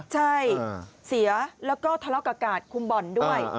ใช่เสียแล้วก็ทะเลาะกับกาดคุมบ่อนด้วย